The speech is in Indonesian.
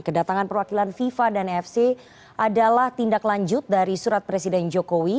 kedatangan perwakilan fifa dan afc adalah tindak lanjut dari surat presiden jokowi